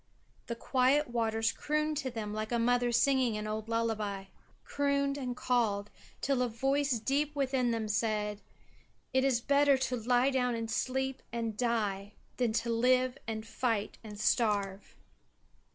The quiet waters crooned to them like a mother singing an old lullaby crooned and called, till a voice deep within them said, "It is better to lie down and sleep and die than to live and fight and starve."